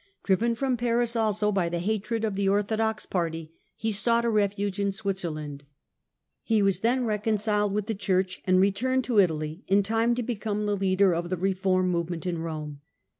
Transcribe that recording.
Driven from Paris also by the hatred of the orthodox party, he sought a refuge in Switzerland. He was then reconciled with the Church and returned to Italy in time to become the leader of the reform movement in Rome.